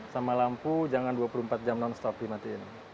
sama lampu jangan dua puluh empat jam non stop dimatiin